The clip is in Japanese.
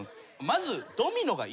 まず。